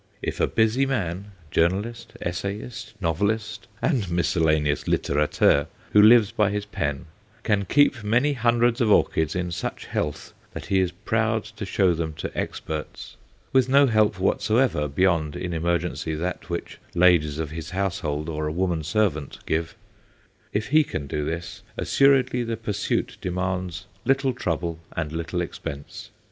If a busy man, journalist, essayist, novelist, and miscellaneous littérateur, who lives by his pen, can keep many hundreds of orchids in such health that he is proud to show them to experts with no help whatsoever beyond, in emergency, that which ladies of his household, or a woman servant give if he can do this, assuredly the pursuit demands little trouble and little expense.